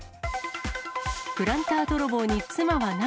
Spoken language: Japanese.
プランター泥棒に妻は涙。